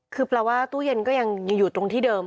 คือแปลว่าตู้เย็นก็ยังอยู่ตรงที่เดิม